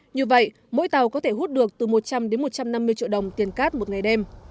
như vậy mỗi tàu có thể hút được từ một trăm linh đến một trăm năm mươi triệu đồng tiền cát một ngày đêm